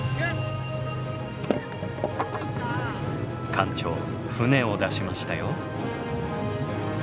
館長船を出しましたよ。